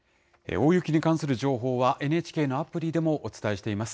大雪に関する情報は、ＮＨＫのアプリでもお伝えしています。